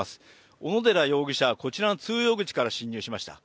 小野寺容疑者はこちらの通用口から侵入しました。